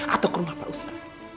atau ke rumah pak ustadz